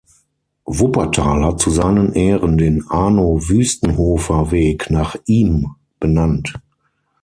Wuppertal hat zu seinen Ehren den Arno-Wüstenhöfer-Weg nach ihm benannt.